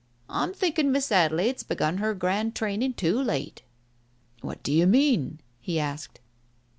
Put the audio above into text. I'm thinking Miss Adelaide's begun her grand training too late." "What d'you mean?" he asked.